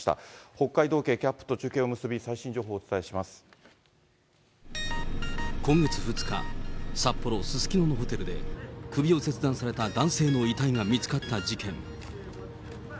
北海道警キャップと中継を結び、今月２日、札幌・すすきののホテルで、首を切断された男性の遺体が見つかった事件。